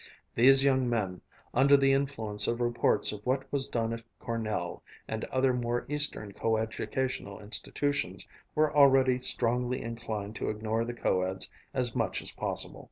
These young men, under the influence of reports of what was done at Cornell and other more eastern co educational institutions, were already strongly inclined to ignore the co eds as much as possible.